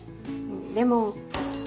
でも。